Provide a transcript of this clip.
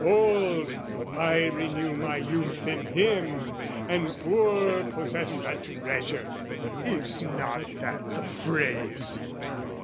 Old, I renew my youth in him, and poor Possess a treasure, is not that the phrase?